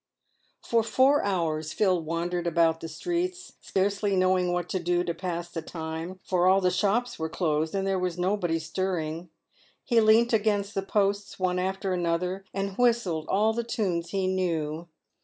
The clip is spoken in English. For four hours Phil wandered about the streets, scarcely knowing what to do to pass the time, for all the shops were closed, and there was nobody stirring. He leant against the posts, one after another and whistled all the tunes he knew.